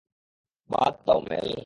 বাদ দাও, মেল।